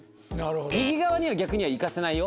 右側には逆には行かせないよ。